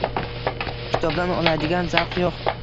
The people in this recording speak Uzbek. Kitobdan oladigan zavq yo‘q.